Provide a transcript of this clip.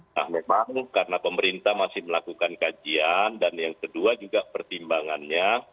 nah memang karena pemerintah masih melakukan kajian dan yang kedua juga pertimbangannya